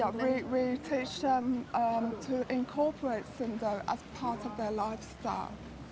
ya kami mengajar mereka untuk menggabungkan sindang sebagai bagian dari karya hidup mereka